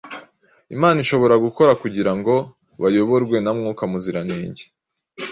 Imana ishobora gukora kugira ngo bayoborwe na Mwuka Muziranenge.